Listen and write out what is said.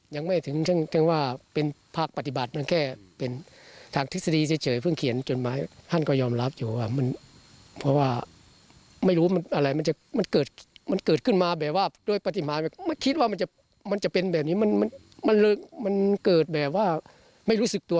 ยังไม่ถึงว่าเป็นภาคปฏิบัติมันแค่ฐักษณีย์เฉยเพิ่งเขียนจนมา